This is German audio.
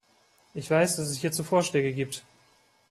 Ich weiß, dass es hierzu Vorschläge gibt.